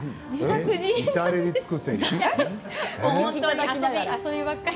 至れり尽くせり。